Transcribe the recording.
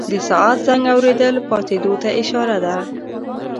د ساعت زنګ اورېدل پاڅېدو ته اشاره ده.